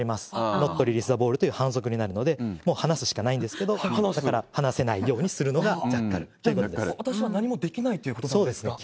ノット・リリース・ア・ボールということで、もう離すしかないんですけれども、ここから離せないようにするのがジャッカルという私は何もできないということそうですね。